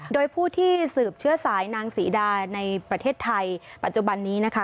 โดยผู้ที่สืบเชื้อสายนางศรีดาในประเทศไทยปัจจุบันนี้นะคะ